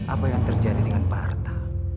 apa yang terjadi dengan pak arta